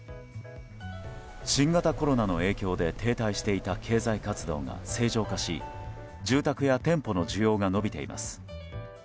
新型コロナの影響で停滞していた経済活動が正常化し住宅や店舗の需要が伸びています。